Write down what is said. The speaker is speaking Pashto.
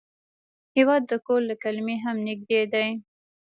هېواد د کور له کلمې هم نږدې دی.